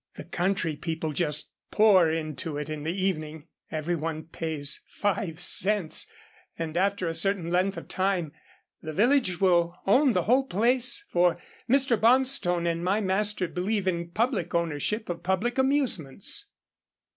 The country people just pour into it in the evening. Every one pays five cents, and after a certain length of time, the village will own the whole place, for Mr. Bonstone and my master believe in public ownership of public amusements.